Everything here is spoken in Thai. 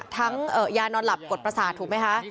ยานอนหลับกดประสาทถูกไหมคะ